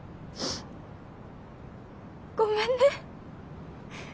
ごめんね！